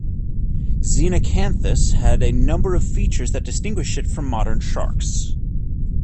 "Xenacanthus" had a number of features that distinguished it from modern sharks.